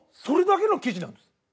それだけの記事なんです。